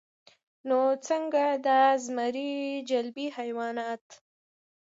نو څنګه د ازمري جبلي حېوانيت